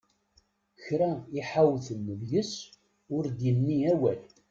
Kra i ḥawten deg-s ur d-yenni awal!